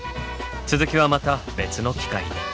続きはまた別の機会に。